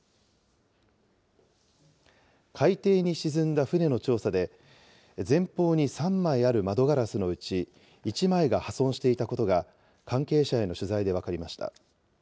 海底に沈んだ船の調査で、前方に３枚ある窓ガラスのうち、１枚が破損していたことが、関係者への取材で分かりました。